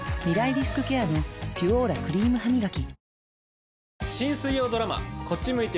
リスクケアの「ピュオーラ」クリームハミガキ